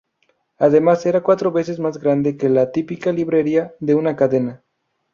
Además, era cuatro veces más grande que la típica librería de una cadena.